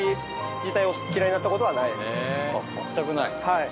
はい。